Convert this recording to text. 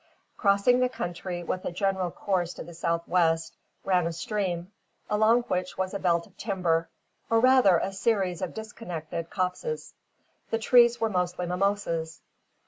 Crossing the country with a general course to the south west, ran a stream, along which was a belt of timber, or rather a series of disconnected copses. The trees were mostly mimosas.